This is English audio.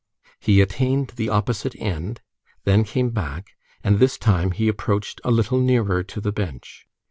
He attained the opposite end, then came back, and this time he approached a little nearer to the bench.